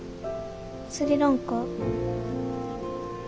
スリランカ？